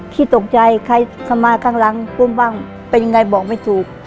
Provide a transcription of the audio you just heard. ที่ตกใจใครเข้ามาข้างหลังปุ้มบ้างเป็นยังไงบอกไม่ถูก